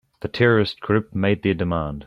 The terrorist group made their demand.